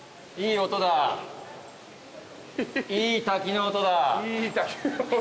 いい滝の音だ。